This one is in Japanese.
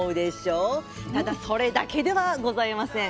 ただそれだけではございません。